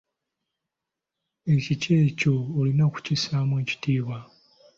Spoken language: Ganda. Ekika kyo olina okukissaamu ekitiibwa.